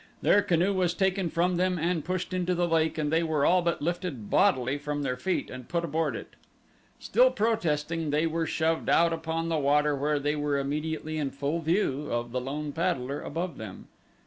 Their canoe was taken from them and pushed into the lake and they were all but lifted bodily from their feet and put aboard it. Still protesting they were shoved out upon the water where they were immediately in full view of the lone paddler above them.